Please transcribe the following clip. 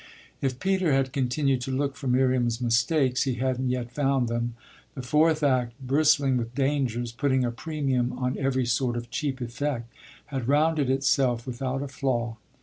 If Peter had continued to look for Miriam's mistakes he hadn't yet found them: the fourth act, bristling with dangers, putting a premium on every sort of cheap effect, had rounded itself without a flaw.